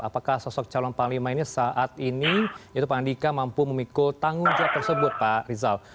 apakah sosok calon panglima ini saat ini itu pak andika mampu memikul tanggung jawab tersebut pak rizal